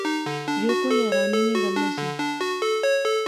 یو کوئی حیرانی نی گل نہسی